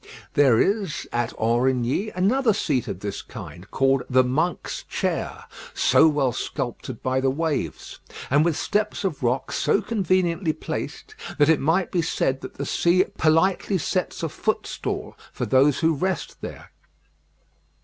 There is, at Aurigny, another seat of this kind, called the Monk's Chair, so well sculptured by the waves, and with steps of rock so conveniently placed, that it might be said that the sea politely sets a footstool for those who rest there.